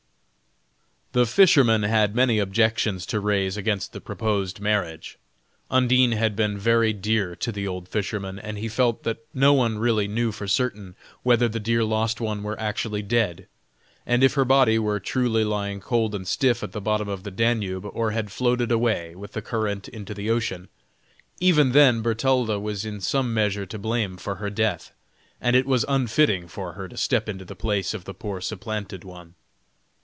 The fisherman had many objections to raise against the proposed marriage. Undine had been very dear to the old fisherman, and he felt that no one really knew for certain whether the dear lost one were actually dead. And if her body were truly lying cold and stiff at the bottom of the Danube, or had floated away with the current into the ocean, even then Bertalda was in some measure to blame for her death, and it was unfitting for her to step into the place of the poor supplanted one.